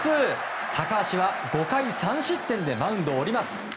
高橋は５回３失点でマウンドを降ります。